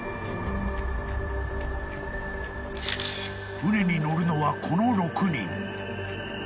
［船に乗るのはこの６人］